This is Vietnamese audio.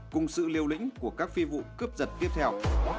cùng sự liều lĩnh của các phi vụ cướp giật tiếp theo